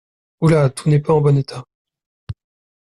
Ouhlà, tout n'est pas en bon état.